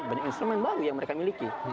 banyak instrumen baru yang mereka miliki